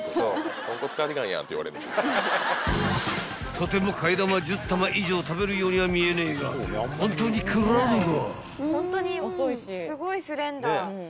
［とても替玉１０玉以上食べるようには見えねえがホントに食らうのか？］